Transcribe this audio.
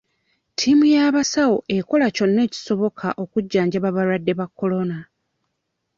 Ttiimu y'abasawo ekola kyonna ekisoboka okujjanjaba abalwadde ba kolona.